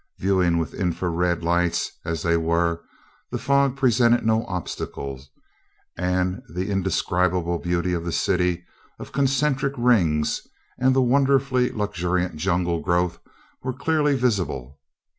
Viewing with infra red light as they were, the fog presented no obstacle and the indescribable beauty of the city of concentric rings and the wonderfully luxuriant jungle growth were clearly visible.